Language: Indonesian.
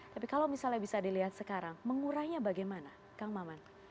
tapi kalau misalnya bisa dilihat sekarang mengurainya bagaimana kang maman